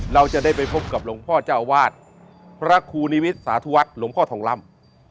เราจะได้ไปพบกับหลวงพ่อเจ้าวาดพระครูนิวิตสาธุวัฒน์หลวงพ่อทองล่ำ